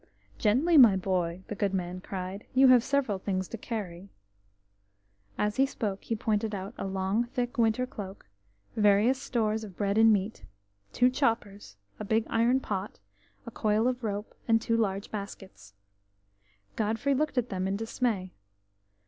ENTLY, my boy!" the good man cried, "you have several things to carry." As he spoke he pointed out a long thick winter cloak, various stores of bread and meat, two choppers, a big iron pot, a coil of rope, and two large baskets. Godfrey looked at them in dismay.